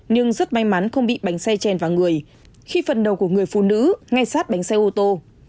nhưng rất may mắn không bị bánh xe chèn vào người khi phần đầu của người phụ nữ ngay sát bánh xe ô tô